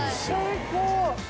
最高。